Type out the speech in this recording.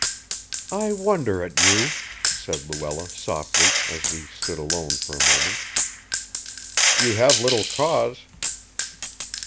"I wonder at you," said Luella softly, as we stood alone for a moment. "You have little cause."